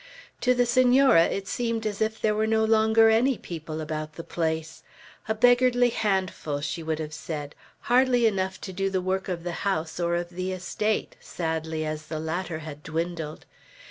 To the Senora it seemed as if there were no longer any people about the place. A beggarly handful, she would have said, hardly enough to do the work of the house, or of the estate, sadly as the latter had dwindled.